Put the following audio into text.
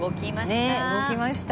動きました。